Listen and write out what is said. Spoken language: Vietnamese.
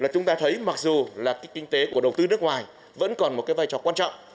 chúng ta thấy mặc dù là kinh tế của đầu tư nước ngoài vẫn còn một cái vai trò quan trọng